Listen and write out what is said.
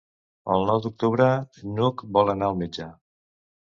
El nou d'octubre n'Hug vol anar al metge.